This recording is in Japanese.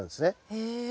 へえ。